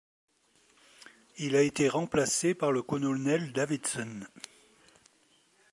Il a été remplacé par le Colonel Davidson.